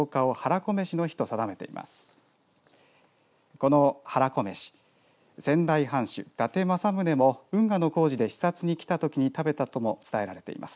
このはらこめし仙台藩主、伊達政宗も運河の工事で視察に来たときに食べたとも伝えられています。